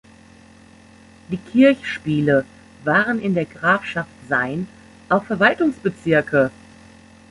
Die Kirchspiele waren in der Grafschaft Sayn auch Verwaltungsbezirke.